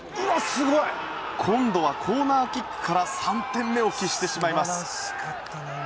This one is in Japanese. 今度はコーナーキックから３点目を喫してしまいます。